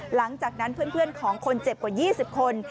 หลังจากนั้นเพื่อนของคนเจ็บกว่า๒๐คน